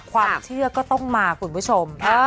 ความเชื่อก็ต้องมาคุณผู้ชม